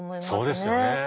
そうですよね。